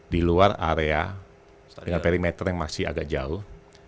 di luar area dengan perimeter yang masih agak jauh